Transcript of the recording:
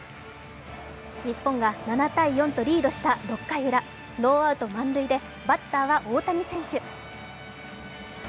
日本が７−４とリードした６回ウラノーアウト満塁でバッターは大谷選手。